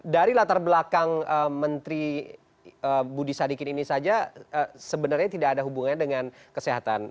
dari latar belakang menteri budi sadikin ini saja sebenarnya tidak ada hubungannya dengan kesehatan